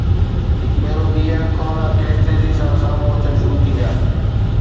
هڪ ڀيرو ٻيهر ڪرونا ڪيس تيزي سان سامهون اچڻ شروع ٿي ويا